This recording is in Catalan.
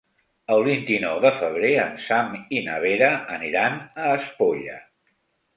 El vint-i-nou de febrer en Sam i na Vera aniran a Espolla.